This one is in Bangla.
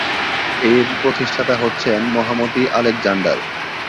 এর প্রতিষ্ঠাতা হচ্ছেন মহামতি আলেকজান্ডার।